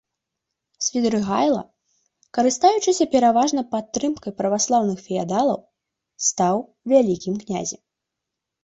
Свідрыгайла, карыстаючыся пераважна падтрымкай праваслаўных феадалаў, стаў вялікім князем.